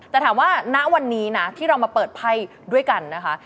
แต่ถามว่าณวันนี้นะที่เรามาเปิดไพ่ด้วยกันนะคะ